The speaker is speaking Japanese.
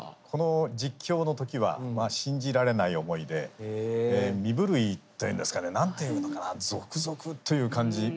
この実況の時はまあ信じられない思いで身震いっていうんですかね何ていうのかなゾクゾクという感じ。